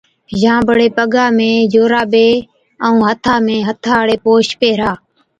يان بڙي پگا ۾ جورابي ائُون هٿا ۾ هٿا هاڙي پوش پيهرا۔